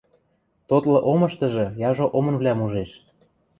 Тотлы омыштыжы яжо омынвлӓм ужеш.